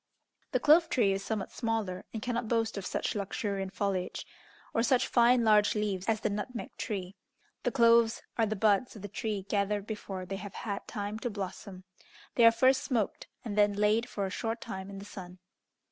The clove tree is somewhat smaller, and cannot boast of such luxuriant foliage, or such fine large leaves as the nutmeg tree. The cloves are the buds of the tree gathered before they have had time to blossom. They are first smoked, and then laid for a short time in the sun.